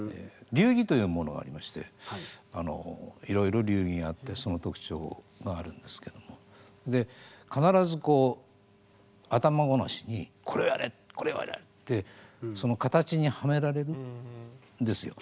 流儀というものがありましていろいろ流儀があってその特徴があるんですけども必ずこう頭ごなしにこれをやれこれをやれってその型にはめられるんですよ。